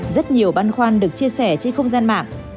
rất nhiều băn khoăn được chia sẻ trên không gian mạng